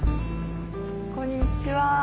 こんにちは。